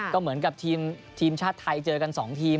ก็เหมือนกับทีมชาติไทยเจอกัน๒ทีม